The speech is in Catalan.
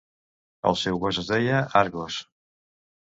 El seu gos es deia Argos.